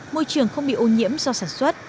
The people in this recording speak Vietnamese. môi trường không bị ô nhiễm do sản xuất